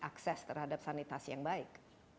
akses terhadap sanitasi yang baik